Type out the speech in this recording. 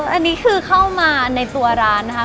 อันนี้คือเข้ามาในตัวร้านนะคะ